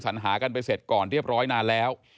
สัญหากันไปเสร็จก่อนเรียบร้อยนานแล้ว